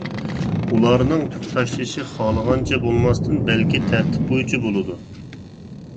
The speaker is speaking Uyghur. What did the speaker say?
ئۇلارنىڭ تۈك تاشلىشى خالىغانچە بولماستىن، بەلكى تەرتىپ بويىچە بولىدۇ.